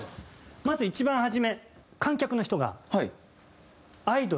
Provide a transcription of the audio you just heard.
まず一番初め観客の人が。